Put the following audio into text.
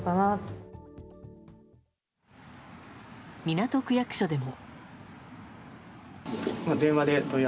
港区役所でも。